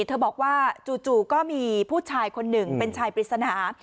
เธอบอกว่าจู่ก็มีผู้ชายคนหนึ่งเป็นชายปริศนา